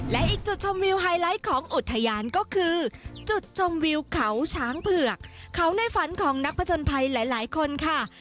และอีกจุดชมวิวไฮไลท์ของอุทยานก็คือจุดชมวิวเขาช้างเผือกเขาในฝันของนักผจญภัยหลายคนค่ะ